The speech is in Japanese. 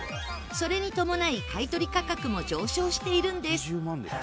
それに伴い買い取り価格も上昇しているんです。